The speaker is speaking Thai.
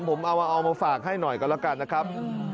ผมเอามาฝากให้หน่อยกันแล้วกันนะครับ